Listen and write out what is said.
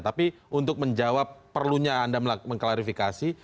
tapi untuk menjawab perlunya anda mengklarifikasi